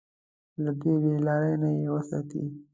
له دې بې لارۍ نه يې وساتي.